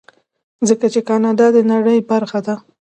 ځکه چې کاناډا د نړۍ برخه ده.